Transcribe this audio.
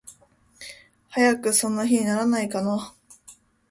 早くその日にならないかな。